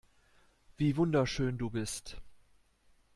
Wie wunderschön du bist.